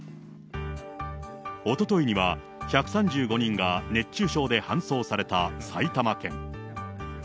おとといには、１３５人が熱中症で搬送された埼玉県。